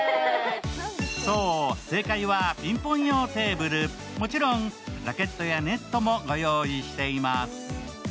そう、正解はピンポン用テーブルもちろんラケットもネットもご用意しています。